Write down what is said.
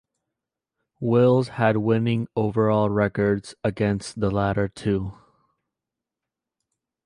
Wills had winning overall records against the latter two.